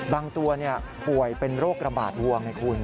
บางตัวเนี่ยป่วยเป็นโรคลำบาดห่วงในคุณ